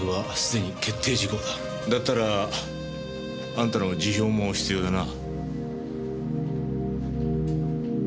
だったらあんたの辞表も必要だな。